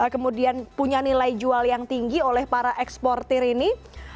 kemudian punya nilai jual yang tinggi oleh para eksportir ini